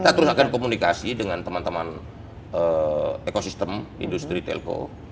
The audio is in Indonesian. kita akan terus komunikasi dengan teman teman ekosistem industri telco